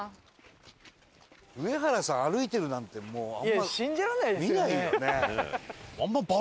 上原さん歩いてるなんてもうあんま。